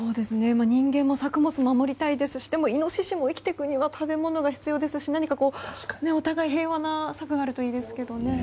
人間も作物を守りたいですしでも、イノシシも生きていくには食べ物が必要ですし何か、お互い平和な策があるといいですけどね。